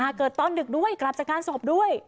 เกิดตอนดึกด้วยกลับจากงานศพด้วย